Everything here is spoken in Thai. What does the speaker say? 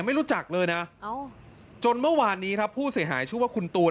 ไม่รู้จักเลยนะจนเมื่อวานนี้ครับผู้เสียหายชื่อว่าคุณตูน